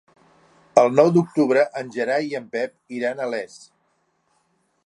El nou d'octubre en Gerai i en Pep iran a Les.